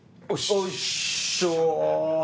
おいしょ！